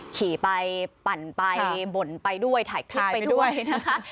ขี่ไปปั่นไปบ่นไปด้วยถ่ายคลิปไปด้วยนะคะ